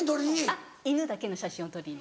あっ犬だけの写真を撮りに。